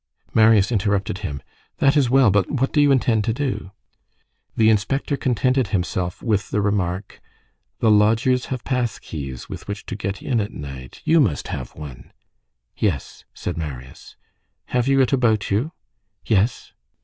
Marius interrupted him:— "That is well, but what do you intend to do?" The inspector contented himself with the remark:— "The lodgers have pass keys with which to get in at night. You must have one." "Yes," said Marius. "Have you it about you?" "Yes."